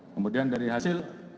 kemudian dari hasil